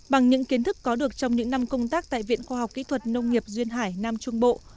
bằng những kiến thức có được trong những năm công tác tại viện khoa học kỹ thuật nông nghiệp duyên hải nam trung bộ